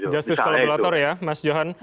justice kolaborator ya mas johan